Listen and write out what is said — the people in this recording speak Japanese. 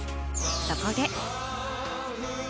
そこで。